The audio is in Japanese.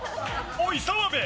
おい澤部！